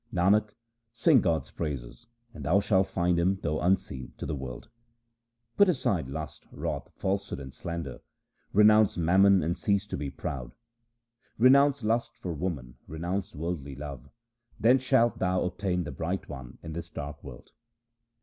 Nanak, sing God's praises, and thou shalt find Him though unseen to the world. 2 Put aside lust, wrath, falsehood, and slander ; renounce mammon, and cease to be proud. Renounce lust for woman, renounce worldly love, then shalt thou obtain the Bright One in this dark world.